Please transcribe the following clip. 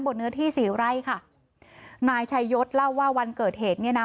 เนื้อที่สี่ไร่ค่ะนายชัยยศเล่าว่าวันเกิดเหตุเนี่ยนะ